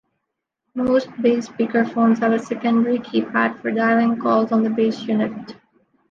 Most base speakerphones have a secondary keypad for dialing calls on the base unit.